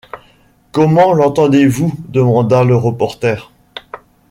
Comment l’entendez-vous? demanda le reporter.